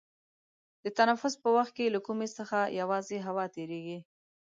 د تنفس په وخت کې له کومي څخه یوازې هوا تیرېږي.